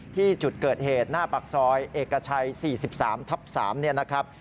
ที่จุดเกิดเหตุหน้าปากซอยเอกชัย๔๓ทับ๓